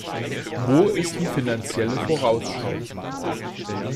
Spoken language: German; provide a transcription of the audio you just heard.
Wo ist die Finanzielle Vorausschau?